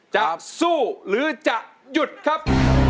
จะสู้หรือจะหยุดครับ